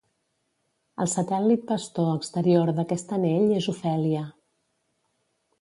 El satèl·lit pastor exterior d'aquest anell és Ofèlia.